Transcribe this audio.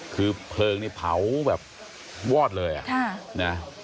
คือเพลิงนี่เผาแบบวอดเลยอ่ะนะ